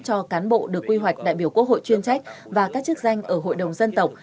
cho cán bộ được quy hoạch đại biểu quốc hội chuyên trách và các chức danh ở hội đồng dân tộc